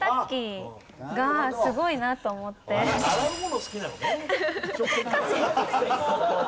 洗うもの好きなのね。